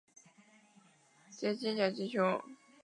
便于阅读